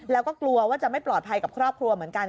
แล้วก็กลัวว่าจะไม่ปลอดภัยกับครอบครัวเหมือนกัน